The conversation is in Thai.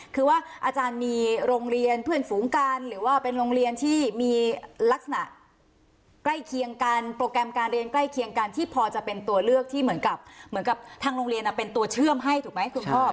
คือว่าอาจารย์มีโรงเรียนเพื่อนฝูงกันหรือว่าเป็นโรงเรียนที่มีลักษณะใกล้เคียงกันโปรแกรมการเรียนใกล้เคียงกันที่พอจะเป็นตัวเลือกที่เหมือนกับเหมือนกับทางโรงเรียนเป็นตัวเชื่อมให้ถูกไหมคุณพ่อ